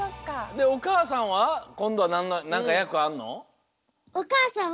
でおかあさんはこんどはなんかやくあんの？